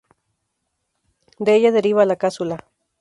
De ella deriva la casulla.